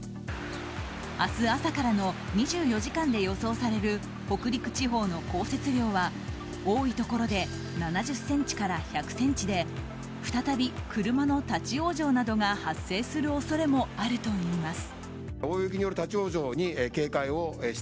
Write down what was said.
明日朝からの２４時間で予想される北陸地方の降雪量は多いところで７０ｃｍから１００ｃｍで再び車の立ち往生などが発生する恐れもあるといいます。